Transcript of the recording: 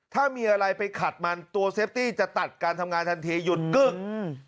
ถ้ามีอะไรไปขัดมันตัวเซฟตี้จะตัดการทำงานทันทีหยุดกึ้งอืม